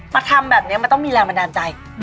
ทำแบบนี้มันต้องมีแรงบันดาลใจ